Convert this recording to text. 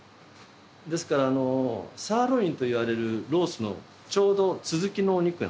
ですからサーロインと言われるロースのちょうど続きのお肉なんですね。